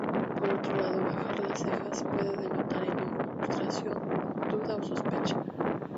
Por otro lado bajar las cejas puede denotar enojo, frustración, duda o sospecha.